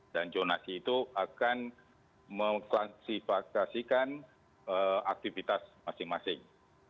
dan jonasi itu akan memaksifatkan aktivitas masing masing